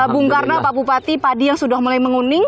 bung karna pak bupati padi yang sudah mulai menguning